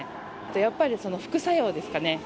やっぱり副作用ですかね。